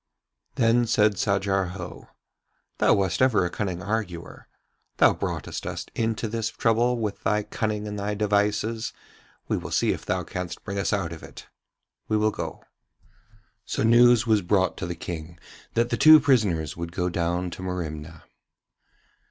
Then said Sajar Ho: 'Thou wast ever a cunning arguer. Thou broughtest us into this trouble with thy cunning and thy devices, we will see if thou canst bring us out of it. We will go.' So news was brought to the King that the two prisoners would go down to Merimna.